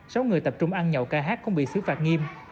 sáu người tập trung ăn nhậu ca hát cũng bị xứ phạt nghiêm